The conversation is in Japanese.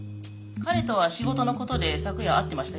彼とは仕事の事で昨夜会ってましたよ。